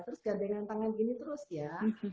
terus gandengan tangan gini terus ya